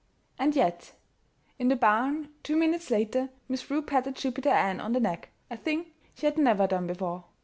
And yet In the barn two minutes later, Miss Prue patted Jupiter Ann on the neck a thing she had never done before.